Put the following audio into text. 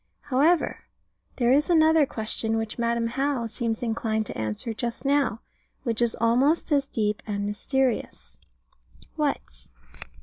However, there is another question, which Madam How seems inclined to answer just now, which is almost as deep and mysterious. What?